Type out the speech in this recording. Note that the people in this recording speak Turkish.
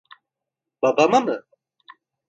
Babama mı?